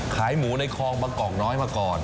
ขายหมูในคลองบางกอกน้อยมาก่อน